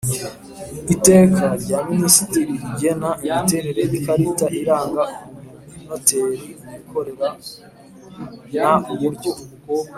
Iteka rya minisitiri rigena imiterere y ikarita iranga umunoteri wikorera n uburyo